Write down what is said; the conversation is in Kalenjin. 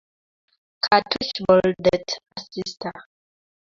Katuch boldet asista